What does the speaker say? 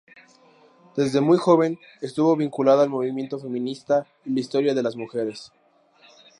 Desde muy joven estuvo vinculada al movimiento feminista y la historia de las mujeres.